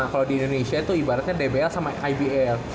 kalau di indonesia itu ibaratnya dbl sama ibl